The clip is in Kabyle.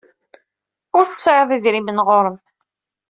Ur tesɛiḍ idrimen ɣur-m?